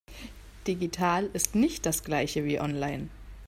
Digital ist nicht das Gleiche wie online.